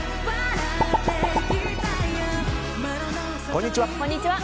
こんにちは。